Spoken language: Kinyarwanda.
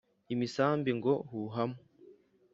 Imisambi ngo huhamo